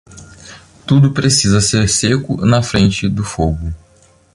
Tudo precisa ser seco na frente do fogo.